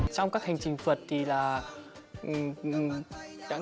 trong các hành trình phượt thì là